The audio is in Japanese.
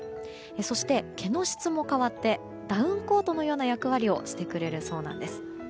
そして、毛の質も変わってダウンコートのような役割をしてくれるそうなんです。